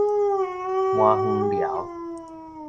麻園寮